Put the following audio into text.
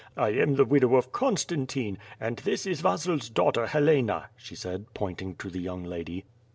"I am the widow of Constantine, and this is Vasil's daughter, Helena," she said, pointing to the young lady.